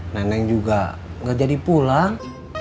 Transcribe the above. neneng juga gak jadi pulang